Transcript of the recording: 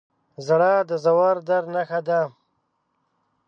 • ژړا د ژور درد نښه ده.